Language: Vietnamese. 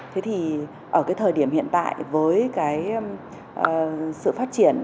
thế thì ở thời điểm hiện tại với sự phát triển